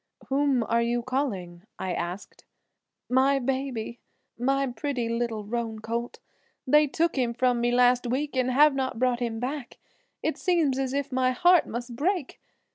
"Whom are you calling?" I asked. "My baby, my pretty, little roan colt; they took him from me last week and have not brought him back. It seems as if my heart must break!